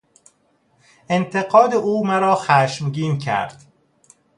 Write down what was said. انتقاد او مرا خشمگین کرد.